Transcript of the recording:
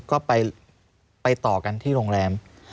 ก็ไปต่อกันที่โรงแรม